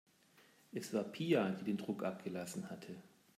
Es war Pia, die den Druck abgelassen hatte.